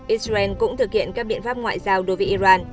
israel cũng thực hiện các biện pháp ngoại giao đối với iran